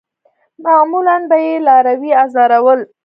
معمولاً به یې لاروي آزارول.